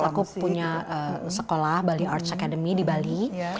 aku punya sekolah bali arts academy di bali